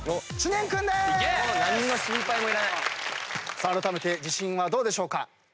さああらためて自信はどうでしょうか？